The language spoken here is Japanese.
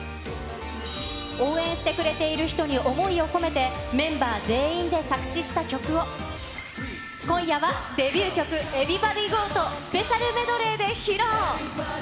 応援してくれている人に思いを込めて、メンバー全員で作詞した曲を、今夜はデビュー曲、ＥｖｅｒｙｂｏｄｙＧｏとスペシャルメドレーで披露。